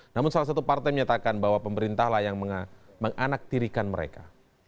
namun salah satu partai menyatakan bahwa pemerintahlah yang menganaktirikan mereka